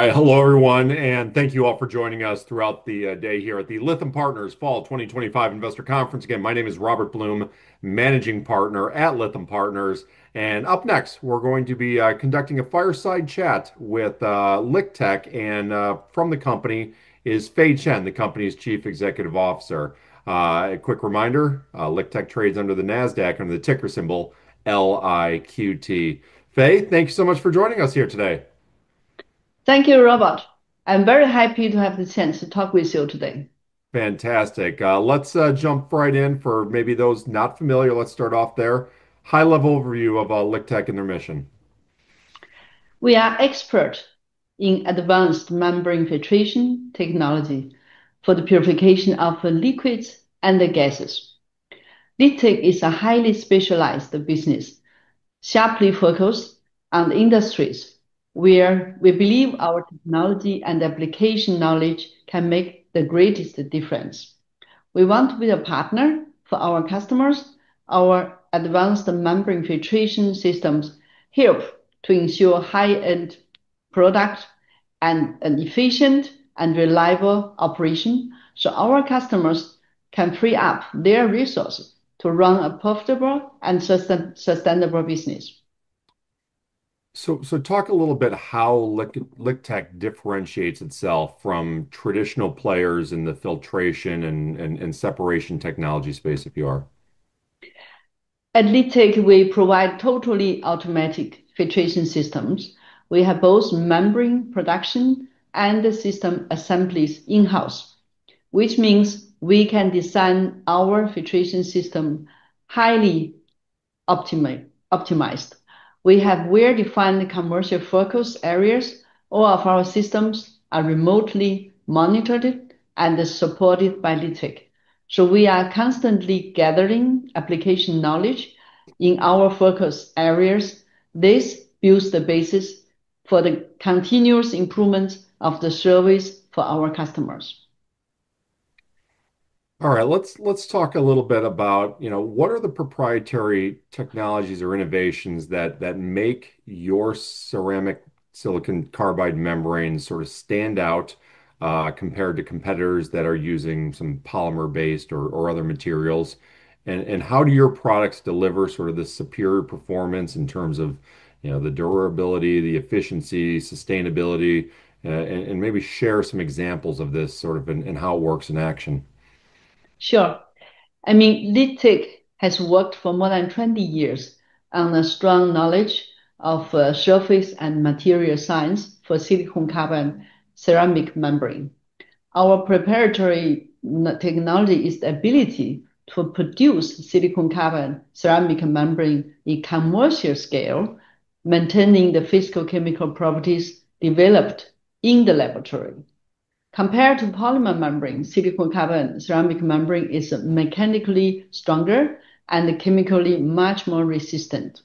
All right, hello everyone, and thank you all for joining us throughout the day here at the Lytham Partners Fall 2025 Investor Conference. Again, my name is Robert Blum, Managing Partner at Lytham Partners. Up next, we're going to be conducting a fireside chat with LiqTech, and from the company is Fei Chen, the company's Chief Executive Officer. A quick reminder, LiqTech trades on NASDAQ under the ticker symbol LIQT. Fei, thank you so much for joining us here today. Thank you, Robert. I'm very happy to have the chance to talk with you today. Fantastic. Let's jump right in. For maybe those not familiar, let's start off there. High-level review of LiqTech and their mission. We are experts in advanced membrane filtration technology for the purification of liquids and gases. LiqTech is a highly specialized business, sharply focused on industries where we believe our technology and application knowledge can make the greatest difference. We want to be a partner for our customers. Our advanced membrane filtration systems help to ensure high-end products and an efficient and reliable operation so our customers can free up their resources to run a profitable and sustainable business. Talk a little bit about how LiqTech differentiates itself from traditional players in the filtration and separation technology space, if you are. At LiqTech, we provide totally automatic filtration systems. We have both membrane production and system assemblies in-house, which means we can design our filtration system highly optimized. We have well-defined commercial focus areas. All of our systems are remotely monitored and supported by LiqTech. We are constantly gathering application knowledge in our focus areas. This builds the basis for the continuous improvement of the service for our customers. All right, let's talk a little bit about what are the proprietary technologies or innovations that make your silicon carbide ceramic membranes sort of stand out compared to competitors that are using some polymer-based or other materials. How do your products deliver sort of the superior performance in terms of the durability, the efficiency, sustainability? Maybe share some examples of this sort of and how it works in action. Sure. I mean, LiqTech has worked for more than 20 years on a strong knowledge of surface and material science for silicon carbide ceramic membrane. Our proprietary technology is the ability to produce silicon carbide ceramic membrane in commercial scale, maintaining the physicochemical properties developed in the laboratory. Compared to polymer membrane, silicon carbide ceramic membrane is mechanically stronger and chemically much more resistant.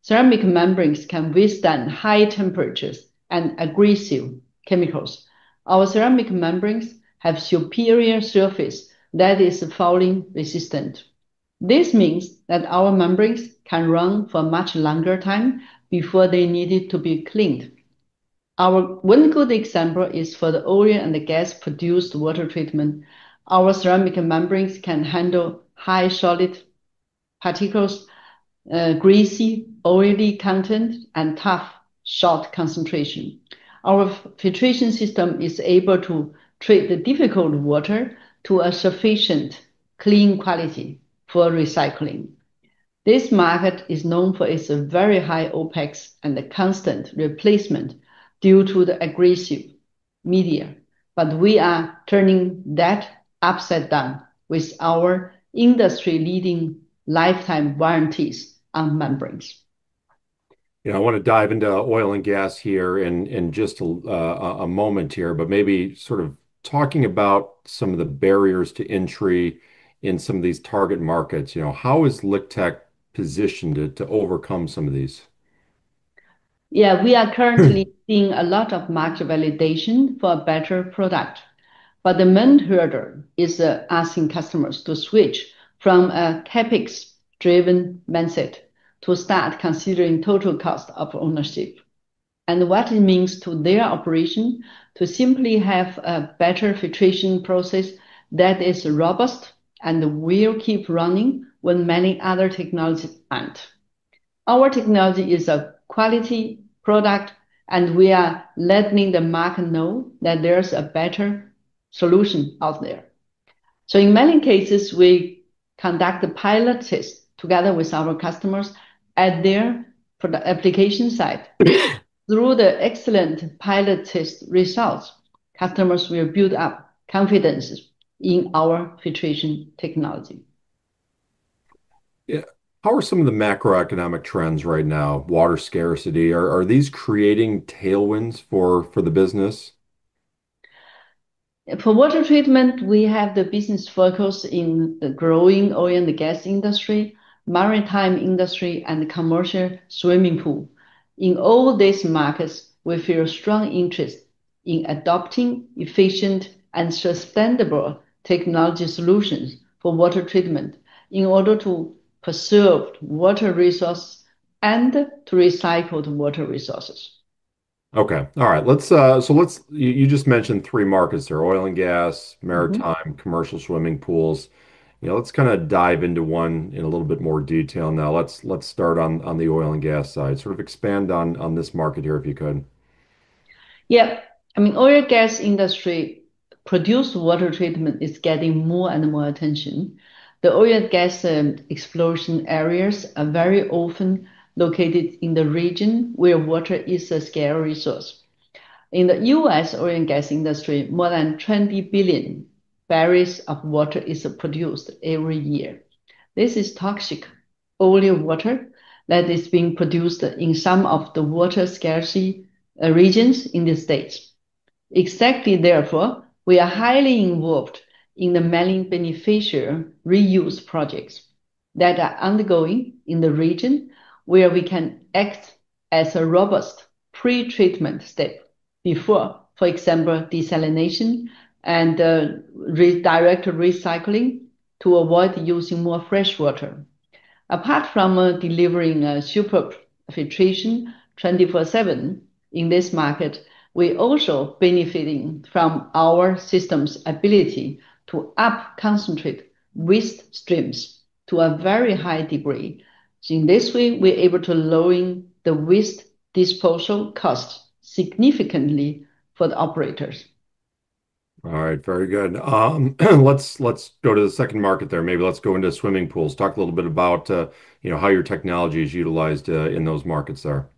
Ceramic membranes can withstand high temperatures and aggressive chemicals. Our ceramic membranes have a superior surface that is fouling resistant. This means that our membranes can run for a much longer time before they need to be cleaned. One good example is for the oil and gas produced water treatment. Our ceramic membranes can handle high solid particles, greasy, oily content, and tough salt concentration. Our filtration system is able to treat the difficult water to a sufficient clean quality for recycling. This market is known for its very high OpEx and the constant replacement due to the aggressive media. We are turning that upside down with our industry-leading lifetime warranties on membranes. I want to dive into oil and gas here in just a moment, but maybe sort of talking about some of the barriers to entry in some of these target markets. You know, how has LiqTech positioned it to overcome some of these? Yeah, we are currently seeing a lot of market validation for a better product. The main hurdle is asking customers to switch from a CapEx-driven mindset to start considering total cost of ownership and what it means to their operation to simply have a better filtration process that is robust and will keep running when many other technologies aren't. Our technology is a quality product, and we are letting the market know that there's a better solution out there. In many cases, we conduct a pilot test together with our customers at their application site. Through the excellent pilot test results, customers will build up confidence in our filtration technology. Yeah. How are some of the macroeconomic trends right now? Water scarcity, are these creating tailwinds for the business? For water treatment, we have the business focus in the growing oil and gas industry, maritime industry, and the commercial swimming pool. In all these markets, we feel a strong interest in adopting efficient and sustainable technology solutions for water treatment in order to preserve water resources and to recycle the water resources. All right. Let's, you just mentioned three markets there, oil and gas, maritime, commercial swimming pools. Let's kind of dive into one in a little bit more detail now. Let's start on the oil and gas side, sort of expand on this market here if you could. Yeah. I mean, the oil and gas produced water treatment is getting more and more attention. The oil and gas exploration areas are very often located in the region where water is a scarce resource. In the U.S., the oil and gas industry, more than 20 billion bbl of water is produced every year. This is toxic, oily water that is being produced in some of the water scarcity regions in the States. Exactly. Therefore, we are highly involved in the many beneficial reuse projects that are undergoing in the region where we can act as a robust pre-treatment step before, for example, desalination and direct recycling to avoid using more fresh water. Apart from delivering superb filtration 24/7 in this market, we're also benefiting from our system's ability to up-concentrate wastewater streams to a very high degree. In this way, we're able to lower the waste disposal cost significantly for the operators. All right, very good. Let's go to the second market there. Maybe let's go into swimming pools. Talk a little bit about how your technology is utilized in those markets there.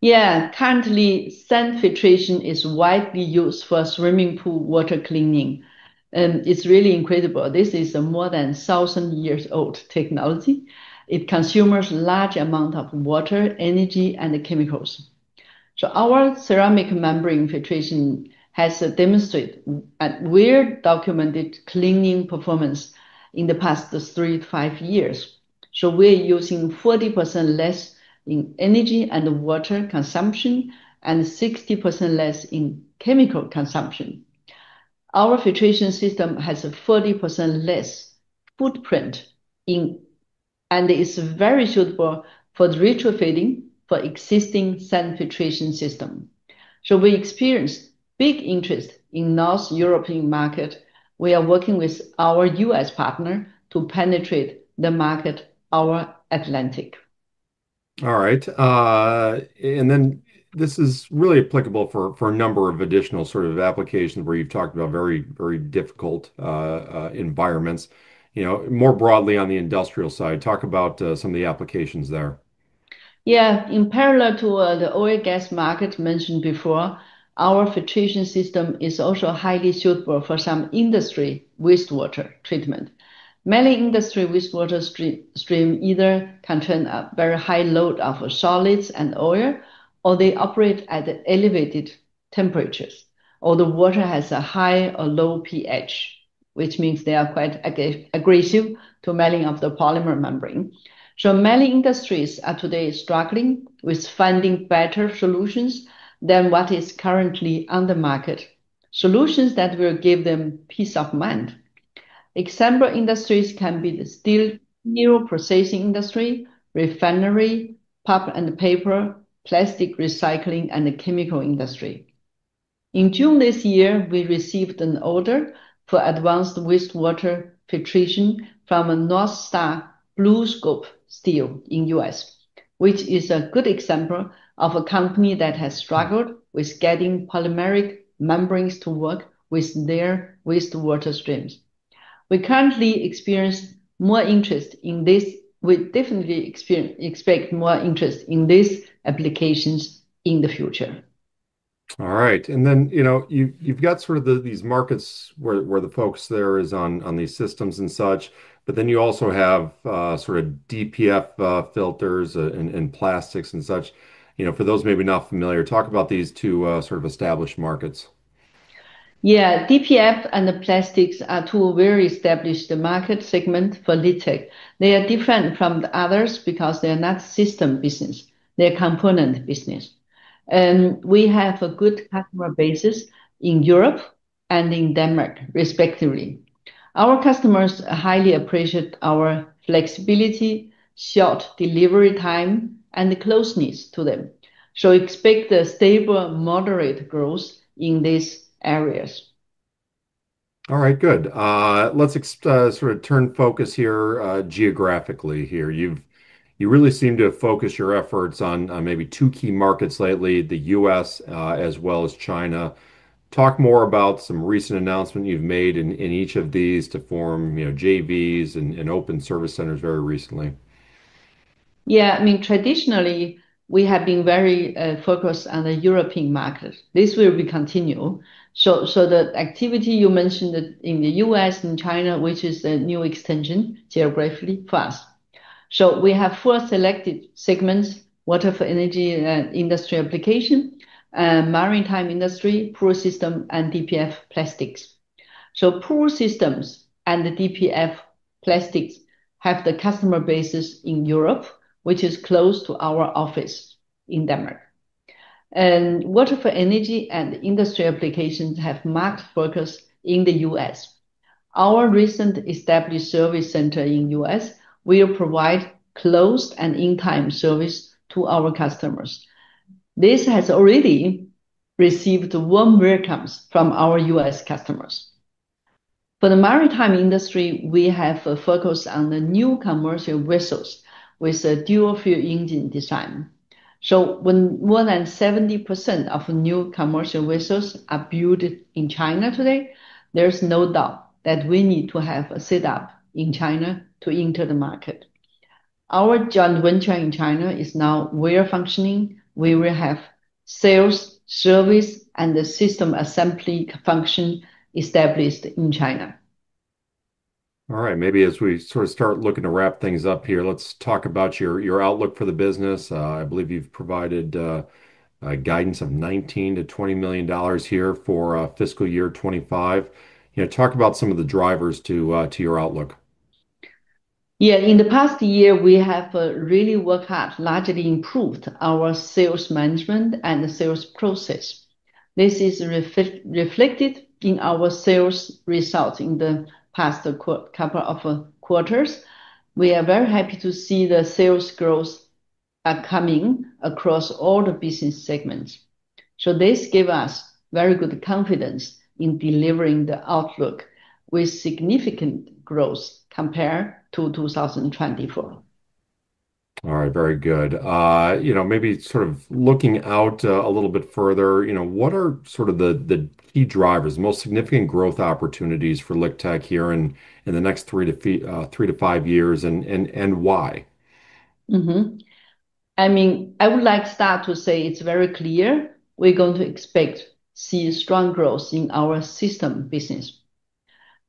Yeah, currently, sand filtration is widely used for swimming pool water cleaning. It's really incredible. This is a more than a thousand years old technology. It consumes a large amount of water, energy, and chemicals. Our ceramic membrane filtration has demonstrated a well-documented cleaning performance in the past three to five years. We're using 40% less in energy and water consumption and 60% less in chemical consumption. Our filtration system has a 40% less footprint and is very suitable for retrofitting for existing sand filtration systems. We experience big interest in the North European market. We are working with our U.S. partner to penetrate the market of our Atlantic. All right. This is really applicable for a number of additional sort of applications where you've talked about very, very difficult environments. More broadly on the industrial side, talk about some of the applications there. Yeah, in parallel to the oil and gas market mentioned before, our filtration system is also highly suitable for some industry wastewater treatment. Many industry wastewater streams either contain a very high load of solids and oil, or they operate at elevated temperatures, or the water has a high or low pH, which means they are quite aggressive to matting of the polymer membrane. Many industries are today struggling with finding better solutions than what is currently on the market, solutions that will give them peace of mind. Example industries can be the steel processing industry, refinery, paper and paper, plastic recycling, and the chemical industry. In June this year, we received an order for advanced wastewater filtration from North Star BlueScope Steel in the U.S., which is a good example of a company that has struggled with getting polymeric membranes to work with their wastewater streams. We currently experience more interest in this. We definitely expect more interest in these applications in the future. All right. You know, you've got sort of these markets where the focus there is on these systems and such, but you also have sort of DPF filters and plastics and such. For those maybe not familiar, talk about these two sort of established markets. Yeah, DPF filters and the plastics are two very established market segments for LiqTech. They are different from the others because they are not a system business. They are a component business. We have a good customer basis in Europe and in Denmark, respectively. Our customers highly appreciate our flexibility, short delivery time, and the closeness to them. We expect a stable, moderate growth in these areas. All right, good. Let's sort of turn focus here geographically. You really seem to have focused your efforts on maybe two key markets lately, the U.S. as well as China. Talk more about some recent announcements you've made in each of these to form JVs and open service centers very recently. Yeah, I mean, traditionally, we have been very focused on the European market. This will continue. The activity you mentioned in the U.S. and China, which is a new extension geographically for us. We have four selected segments: water for energy and industry application, maritime industry, pool systems, and DPF plastics. Pool systems and DPF plastics have the customer bases in Europe, which is close to our office in Denmark. Water for energy and industry applications have marked focus in the U.S. Our recent established service center in the U.S. will provide close and in-time service to our customers. This has already received warm welcomes from our U.S. customers. For the maritime industry, we have focused on the new commercial vessels with dual fuel engine design. When more than 70% of new commercial vessels are built in China today, there's no doubt that we need to have a setup in China to enter the market. Our joint venture in China is now well-functioning. We will have sales, service, and the system assembly function established in China. All right, maybe as we sort of start looking to wrap things up here, let's talk about your outlook for the business. I believe you've provided guidance of $19 million - $20 million here for fiscal year 2025. You know, talk about some of the drivers to your outlook. Yeah, in the past year, we have really worked out, largely improved our sales management and the sales process. This is reflected in our sales results in the past couple of quarters. We are very happy to see the sales growth coming across all the business segments. This gives us very good confidence in delivering the outlook with significant growth compared to 2024. All right, very good. Maybe sort of looking out a little bit further, what are sort of the key drivers, the most significant growth opportunities for LiqTech here in the next three to five years and why? I would like to start to say it's very clear we're going to expect to see strong growth in our system business.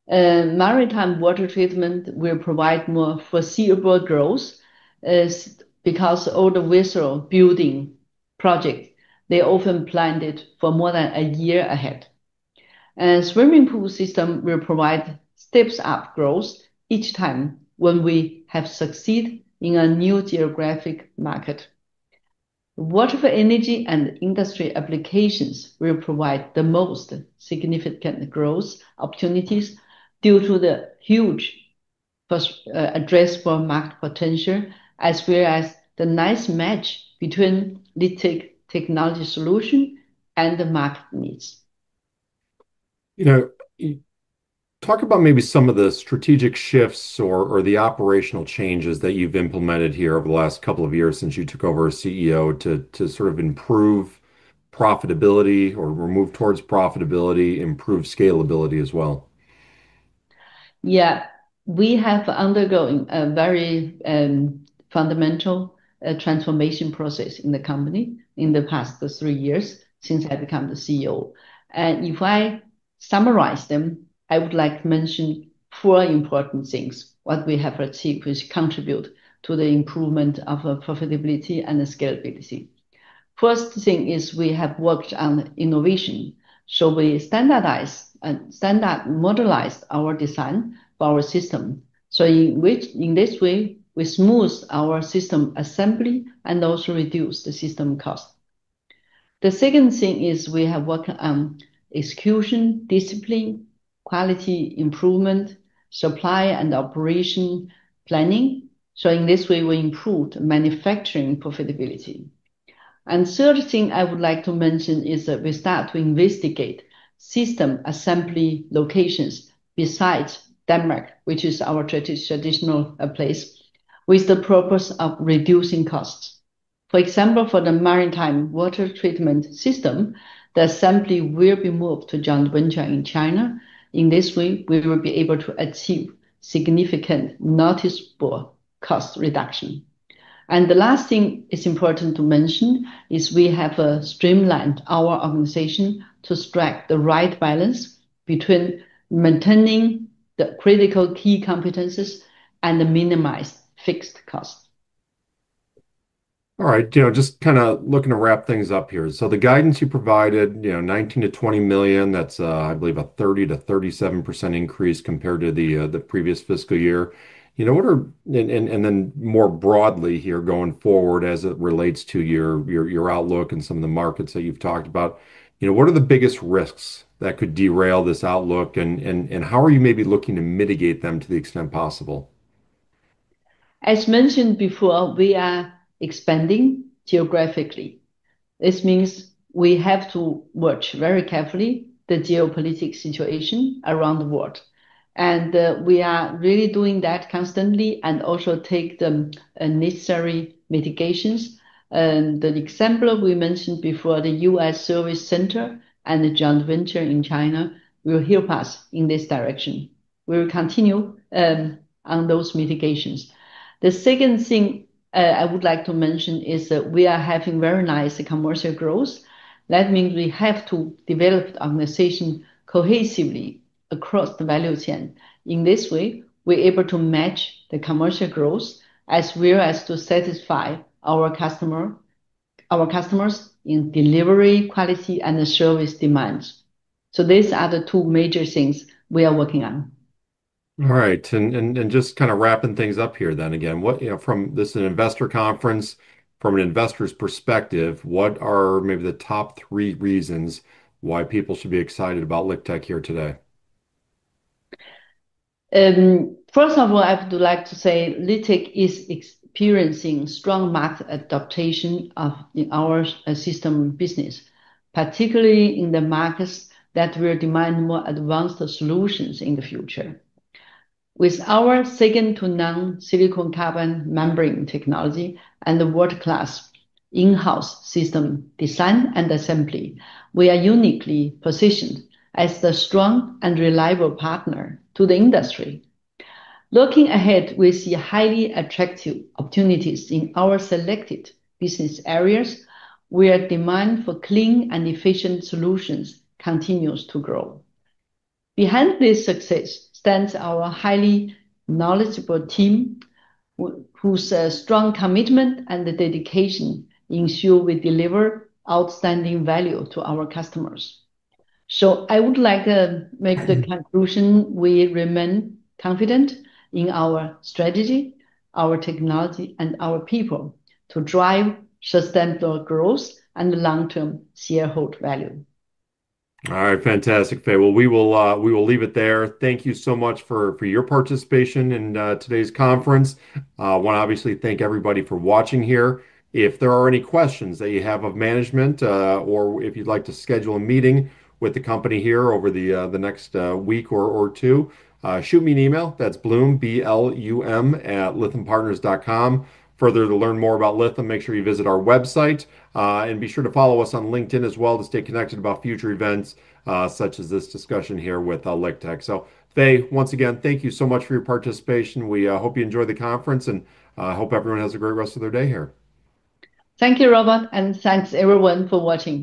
Maritime water treatment will provide more foreseeable growth because all the vessel building projects, they often planned it for more than a year ahead. Swimming pool systems will provide steps up growth each time when we have succeeded in a new geographic market. Water for energy and industry applications will provide the most significant growth opportunities due to the huge addressable market potential, as well as the nice match between LiqTech technology solutions and the market needs. You know, talk about maybe some of the strategic shifts or the operational changes that you've implemented here over the last couple of years since you took over as CEO to sort of improve profitability or move towards profitability, improve scalability as well. Yeah, we have undergone a very fundamental transformation process in the company in the past three years since I became the CEO. If I summarize them, I would like to mention four important things, what we have achieved, which contribute to the improvement of profitability and scalability. First thing is we have worked on innovation. We standardized and standard-modelized our design for our system. In this way, we smoothened our system assembly and also reduced the system cost. The second thing is we have worked on execution, discipline, quality improvement, supply, and operation planning. In this way, we improved manufacturing profitability. The third thing I would like to mention is that we started to investigate system assembly locations besides Denmark, which is our traditional place, with the purpose of reducing costs. For example, for the maritime water treatment system, the assembly will be moved to joint venture in China. In this way, we will be able to achieve significant noticeable cost reduction. The last thing it's important to mention is we have streamlined our organization to strike the right balance between maintaining the critical key competencies and minimizing fixed costs. All right, just kind of looking to wrap things up here. The guidance you provided, $19 million - $20 million, that's, I believe, a 30% - 37% increase compared to the previous fiscal year. What are, and then more broadly here going forward as it relates to your outlook and some of the markets that you've talked about, what are the biggest risks that could derail this outlook and how are you maybe looking to mitigate them to the extent possible? As mentioned before, we are expanding geographically. This means we have to watch very carefully the geopolitical situation around the world. We are really doing that constantly and also taking the necessary mitigations. The example we mentioned before, the U.S. service center and the joint venture in China, will help us in this direction. We will continue on those mitigations. The second thing I would like to mention is that we are having very nice commercial growth. That means we have to develop the organization cohesively across the value chain. In this way, we're able to match the commercial growth as well as to satisfy our customers in delivery quality and the service demands. These are the two major things we are working on. All right, just kind of wrapping things up here then, from this investor conference, from an investor's perspective, what are maybe the top three reasons why people should be excited about LiqTech here today? First of all, I would like to say LiqTech is experiencing strong mass adaptation in our system business, particularly in the markets that will demand more advanced solutions in the future. With our second-to-none silicon carbide membrane technology and the world-class in-house system design and assembly, we are uniquely positioned as the strong and reliable partner to the industry. Looking ahead, we see highly attractive opportunities in our selected business areas where demand for clean and efficient solutions continues to grow. Behind this success stands our highly knowledgeable team whose strong commitment and dedication ensure we deliver outstanding value to our customers. I would like to make the conclusion we remain confident in our strategy, our technology, and our people to drive sustainable growth and long-term shareholder value. All right, fantastic, Fei. We will leave it there. Thank you so much for your participation in today's conference. I want to obviously thank everybody for watching here. If there are any questions that you have of management or if you'd like to schedule a meeting with the company here over the next week or two, shoot me an email. That's blum@lythampartners.com. Further, to learn more about Lytham Partners, make sure you visit our website and be sure to follow us on LinkedIn as well to stay connected about future events such as this discussion here with LiqTech. Fei, once again, thank you so much for your participation. We hope you enjoy the conference and hope everyone has a great rest of their day here. Thank you, Robert, and thanks everyone for watching.